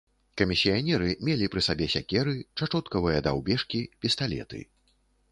Камісіянеры мелі пры сабе сякеры, чачоткавыя даўбежкі, пісталеты.